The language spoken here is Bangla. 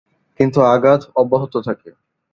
কিন্তু আঘাত অব্যাহত থাকে।